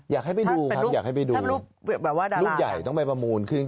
อยากให้ไปดูครับอยากให้ไปดูลูกใหญ่ต้องไปประมูลขึ้น